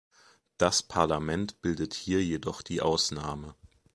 Das Parlament bildet hier jedoch die Ausnahme.